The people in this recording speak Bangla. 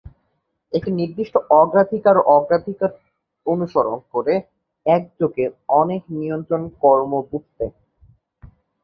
একটি নির্দিষ্ট অগ্রাধিকার অগ্রাধিকার অনুসরণ করে একযোগে অনেক নিয়ন্ত্রণ কর্ম বুঝতে।